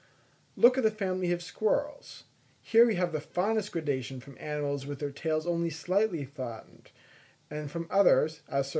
Look at the family of squirrels; here we have the finest gradation from animals with their tails only slightly flattened, and from others, as Sir J.